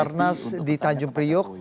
untuk mencapai kepentingan